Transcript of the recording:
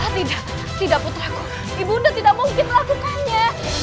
tidak tidak putraku ibu nda tidak mungkin lakukannya